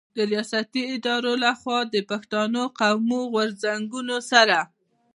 د رياستي ادارو له خوا د پښتون قامي غرځنګونو سره